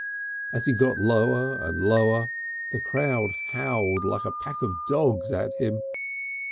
As he got lower and lower the crowd howled like a pack of dogs at him.